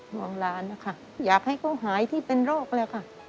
ห่วงหลานนะคะอยากให้เขาหายที่เป็นโรคเลยค่ะ